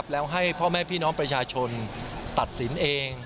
แล้วให้พ่อแม่พี่น้องประชาชนตัดสินเอง